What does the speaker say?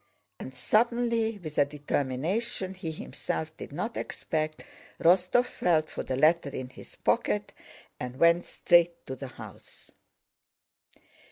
And suddenly with a determination he himself did not expect, Rostóv felt for the letter in his pocket and went straight to the house.